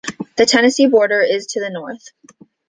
The Tennessee border is to the north.